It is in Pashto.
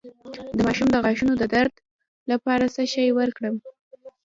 د ماشوم د غاښونو د درد لپاره څه شی ورکړم؟